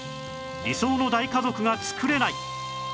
理想の大家族が作れない